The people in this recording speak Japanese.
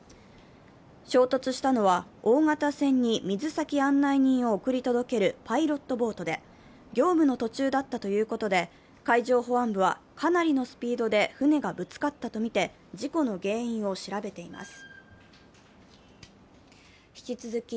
衝突したのは大型船に水先案内人を送り届けるパイロットボートで、業務の途中だったということで、海上保安部はかなりのスピードで船がぶつかったとみて事故の原因を調べています。